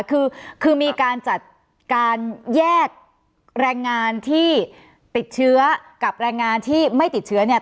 คือคือมีการจัดการแยกแรงงานที่ติดเชื้อกับแรงงานที่ไม่ติดเชื้อเนี่ย